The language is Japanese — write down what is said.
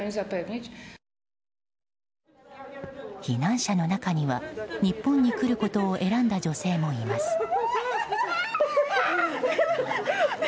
避難者の中には日本に来ることを選んだ女性もいます。